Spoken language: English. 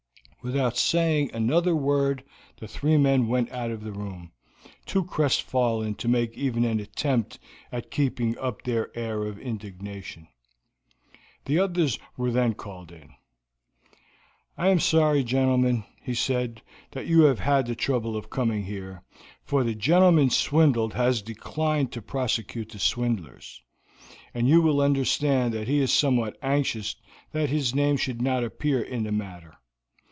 Without saying another word the three men went out of the room, too crestfallen to make even an attempt at keeping up their air of indignation. The others were then called in. "I am sorry, gentlemen," he said, "that you have had the trouble of coming here, for the gentleman swindled has declined to prosecute the swindlers, and you will understand that he is somewhat anxious that his name should not appear in the matter.